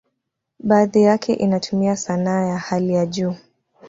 Baadhi yake inatumia sanaa ya hali ya juu.